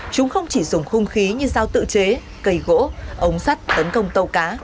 chúng không chỉ dùng khung khí như sao tự chế cây gỗ ống sắt tấn công tàu cá